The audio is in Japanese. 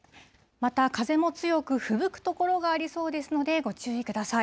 また風も強く、ふぶく所がありそうですので、ご注意ください。